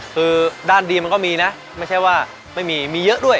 คือด้านดีมันก็มีนะไม่ใช่ว่าไม่มีมีเยอะด้วย